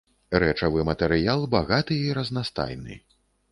Рэчавы матэрыял багаты і разнастайны.